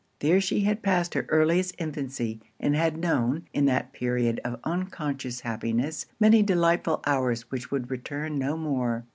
There she had passed her earliest infancy, and had known, in that period of unconscious happiness, many delightful hours which would return no more.